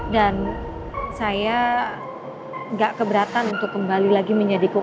dan saya gak keberatan untuk kembali lagi menjadi chef arya